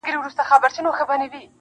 انسان لا هم زده کوي-